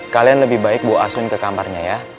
kalian lebih baik bawa aswin ke kamarnya ya